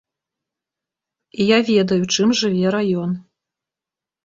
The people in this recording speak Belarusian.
І я ведаю, чым жыве раён.